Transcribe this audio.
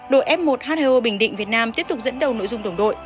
đội f một h hai o bình định việt nam tiếp tục dẫn đầu nội dung đồng đội